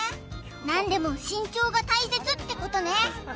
何でも慎重が大切ってことね